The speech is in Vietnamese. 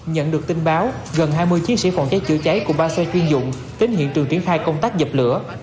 nhận được tin báo gần hai mươi chiến sĩ phòng cháy chữa cháy cùng ba xe chuyên dụng đến hiện trường triển khai công tác dập lửa